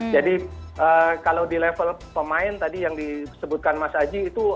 jadi kalau di level pemain tadi yang disebutkan mas aji